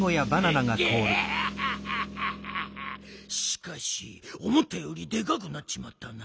しかしおもったよりでかくなっちまったな。